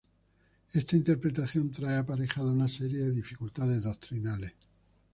Esta interpretación trae aparejada una serie de dificultades doctrinales.